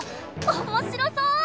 面白そう！